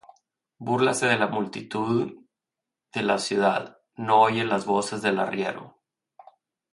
Búrlase de la multitud de la ciudad: No oye las voces del arriero.